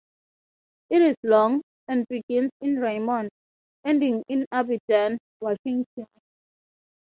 It is long, and begins in Raymond, ending in Aberdeen, Washington.